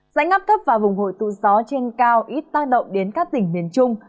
dãnh ngắp thấp và vùng hội tụ gió trên cao ít tác động đến các tỉnh miền trung